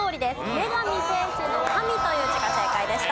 女神精神の「神」という字が正解でした。